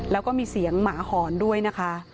แล้วก็มีเสียงหมาหอนด้วยนะคะ